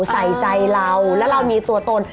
ใส่ใจเราแล้วเรามีตัวตน